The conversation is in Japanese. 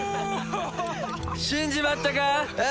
死んじまったか？